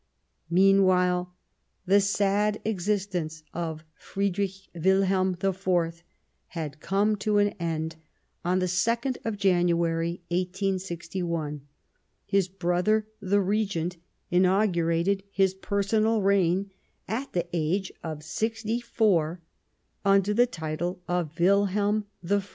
Meanwhile the sad existence of Friedrich Wil helm IV had come to an end on the 2nd of January, 1861 ; his brother, the Regent, WmelmV inaugurated his personal reign at the age of sixty four under the title of Wilhelm I.